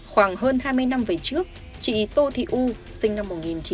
khoảng hơn hai mươi năm về trước chị tô thị u sinh năm một nghìn chín trăm bảy mươi